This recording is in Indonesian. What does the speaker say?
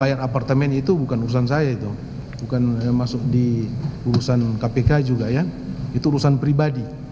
bayar apartemen itu bukan urusan saya itu bukan masuk di urusan kpk juga ya itu urusan pribadi